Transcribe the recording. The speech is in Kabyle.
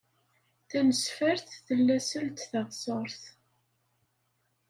Tanesfart tella seld taɣsert.